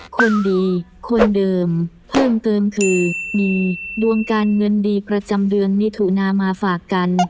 คนดีคนเดิมเพิ่มเติมคือมีดวงการเงินดีประจำเดือนมิถุนามาฝากกัน